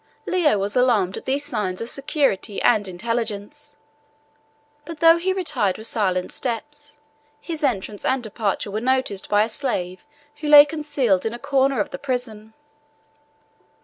Leo was alarmed at these signs of security and intelligence; but though he retired with silent steps, his entrance and departure were noticed by a slave who lay concealed in a corner of the prison.